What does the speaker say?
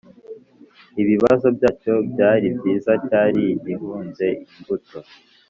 Ibibabi byacyo byari byiza cyari gihunze imbuto